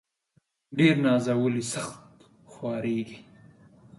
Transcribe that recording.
ډير نازولي ، سخت خوارېږي.